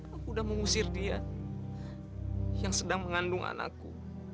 aku udah mengusir dia yang sedang mengandung anakku